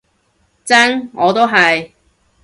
真，我都係